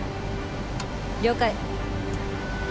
了解。